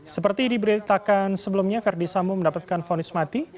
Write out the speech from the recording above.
seperti diberitakan sebelumnya verdi sambo mendapatkan fonis mati